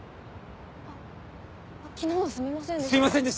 あ昨日はすみませんで。